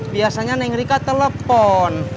biasanya neng rika telepon